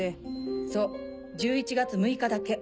そう１１月６日だけ。